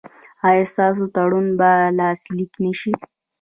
ایا ستاسو تړون به لاسلیک نه شي؟